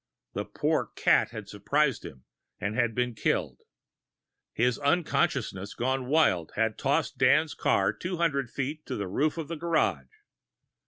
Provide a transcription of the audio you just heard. The poor cat had surprised him, and been killed. His unconsciousness gone wild had tossed Dan's car two hundred feet to the roof of the garage.